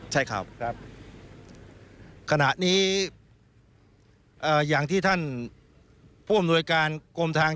ใช่ครับขณะนี้อย่างที่ท่านผู้อำนวยการกรมทาง